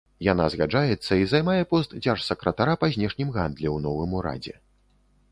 Яна згаджаецца і займае пост дзяржсакратара па знешнім гандлі ў новым урадзе.